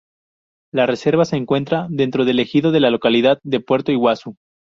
La reserva se encuentra dentro del ejido de la localidad de Puerto Iguazú.